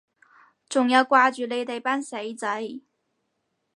仲有掛住你哋班死仔